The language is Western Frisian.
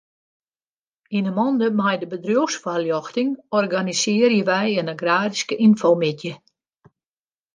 Yn 'e mande mei de bedriuwsfoarljochting organisearje wy in agraryske ynfomiddei.